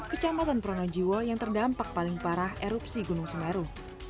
kecamatan pronojiwo yang terdampak paling parah erupsi gunung semeru